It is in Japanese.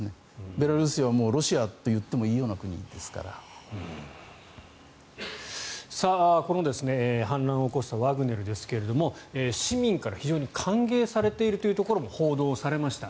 ベラルーシは、もうロシアといってもいいような国ですからこの反乱を起こしたワグネルですが市民からは非常に歓迎されているところも報道されました。